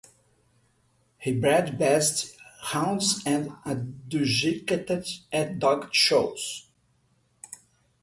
He bred basset hounds and adjudicated at dog shows.